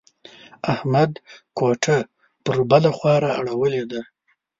احمد کوټه پر بله خوا را اړولې ده.